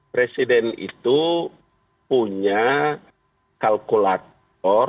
presiden itu punya kalkulator